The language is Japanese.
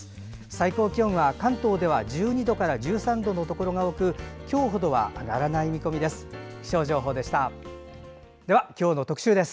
最高気温は関東で１２度から１３度のところが多く今日ほど上がらない見込みです。